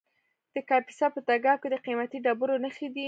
د کاپیسا په تګاب کې د قیمتي ډبرو نښې دي.